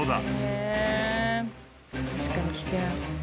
へえ確かに危険。